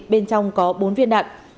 bên trong có bốn viên đạn